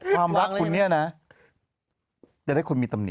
ความรักคุณเนี่ยนะจะได้คุณมีตำหนิ